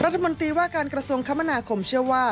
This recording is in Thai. รัฐมนตรีว่าการกระทรวงคมนาคมเชื่อว่า